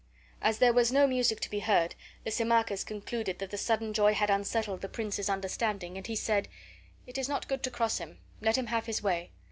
As there was no music to be heard, Lysimachus concluded that the sudden joy had unsettled the prince's understanding, and he said, "It is not good to cross him; let him have his way."